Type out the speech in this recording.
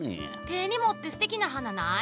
手に持ってすてきな花ない？